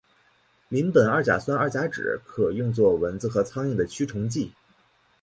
邻苯二甲酸二甲酯可用作蚊子和苍蝇的驱虫剂。